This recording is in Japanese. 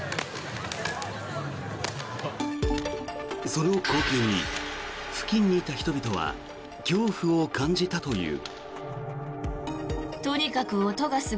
その光景に付近にいた人々は恐怖を感じたという。